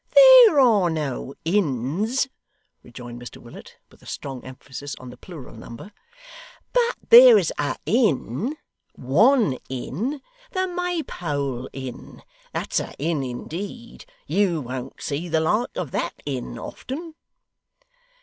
'There are no inns,' rejoined Mr Willet, with a strong emphasis on the plural number; 'but there's a Inn one Inn the Maypole Inn. That's a Inn indeed. You won't see the like of that Inn often.